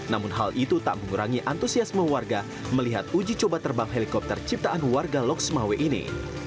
namun hal itu tak mengurangi antusiasme warga melihat uji coba terbang helikopter ciptaan warga loksmawe ini